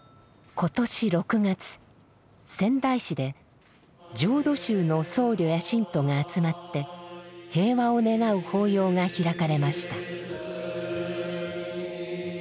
今年６月仙台市で浄土宗の僧侶や信徒が集まって平和を願う法要が開かれました。